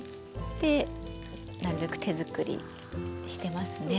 でなるべく手作りにしてますね。